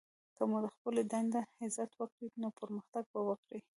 که مو د خپلي دندې عزت وکړئ! نو پرمختګ به وکړئ!